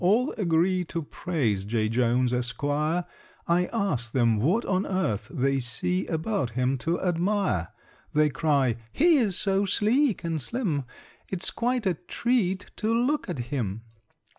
all agree To praise J. Jones, Esquire: I ask them what on earth they see About him to admire? They cry "He is so sleek and slim, It's quite a treat to look at him!"